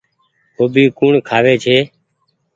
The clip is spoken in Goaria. گوڀي ڪوڻ کآوي ڇي۔